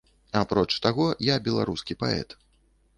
Апроч таго, я беларускі паэт.